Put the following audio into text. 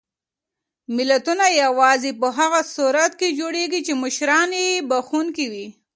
ملتونه یوازې په هغه صورت کې جوړېږي چې مشران یې بښونکي وي.